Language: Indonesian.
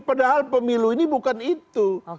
padahal pemilu ini bukan itu